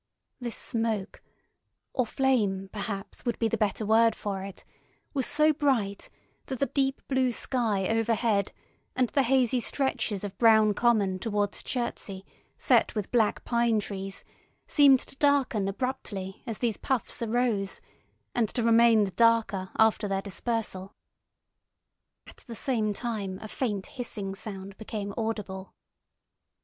This smoke (or flame, perhaps, would be the better word for it) was so bright that the deep blue sky overhead and the hazy stretches of brown common towards Chertsey, set with black pine trees, seemed to darken abruptly as these puffs arose, and to remain the darker after their dispersal. At the same time a faint hissing sound became audible.